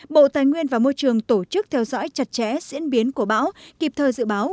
bộ tài nguyên và môi trường tổ chức theo dõi chặt chẽ diễn biến của bão kịp thời dự báo